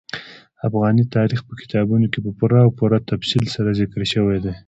افغاني تاریخ په کتابونو کې په پوره او پوره تفصیل سره ذکر شوی دي.